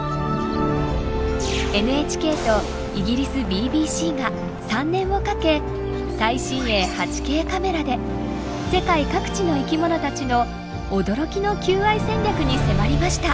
ＮＨＫとイギリスＢＢＣが３年をかけ最新鋭８Ｋカメラで世界各地の生きものたちの驚きの求愛戦略に迫りました。